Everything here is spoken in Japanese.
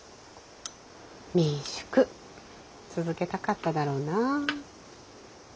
民宿続けたかっただろうなぁ。